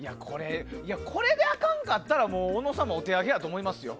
これであかんかったら小野さんもお手上げやと思いますよ